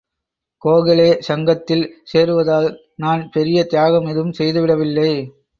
கோகலே சங்கத்தில் சேருவதால் நான் பெரிய தியாகம் எதுவும் செய்து விடவில்லை.